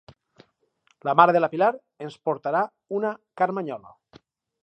La mare de la Pilar ens portarà una carmanyola.